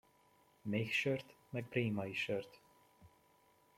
Méhsört meg brémai sört!